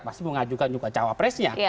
pasti mengajukan juga cawapresnya